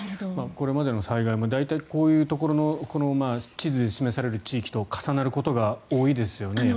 これまでの災害も大体こういうところの地図で示される地域と重なることが多いですよね。